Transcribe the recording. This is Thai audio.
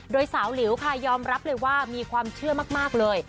โดยสาวหลิวค่ะยอมรับเลยว่ามีความเชื่อมากเลย